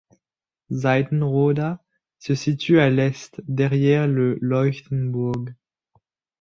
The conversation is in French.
Seitenroda se situe à l'est, derrière le Leuchtenburg.